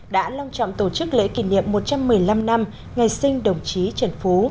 đã long trọng tổ chức lễ kỷ niệm một trăm một mươi năm năm ngày sinh đồng chí trần phú